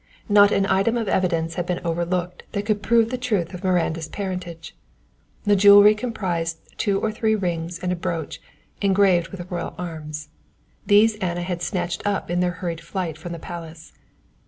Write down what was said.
Not an item of evidence had been overlooked that could prove the truth of Miranda's parentage. The jewellery comprised two or three rings and a brooch, engraved with the royal arms. These Anna had snatched up in their hurried flight from the palace.